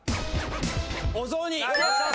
お雑煮！